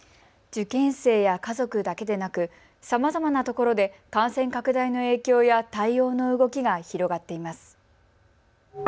受験生や家族だけでなくさまざまなところで感染拡大の影響や対応の動きが広がっています。